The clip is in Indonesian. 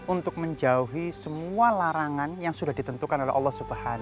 untuk menjauhi semua larangan yang sudah ditentukan oleh allah swt